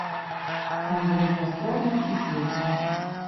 Там было прасторна і светла.